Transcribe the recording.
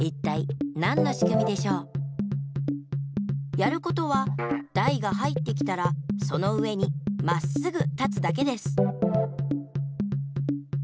やることはだいが入ってきたらその上にまっすぐ立つだけです。